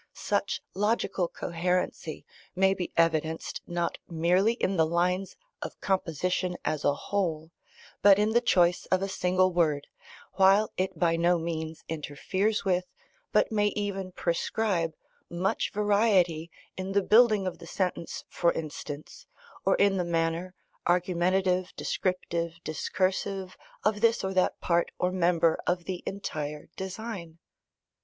Such logical coherency may be evidenced not merely in the lines of composition as a whole, but in the choice of a single word, while it by no means interferes with, but may even prescribe, much variety, in the building of the sentence for instance, or in the manner, argumentative, descriptive, discursive, of this or that part or member of the entire design.